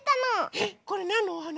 えっこれなんのおはな？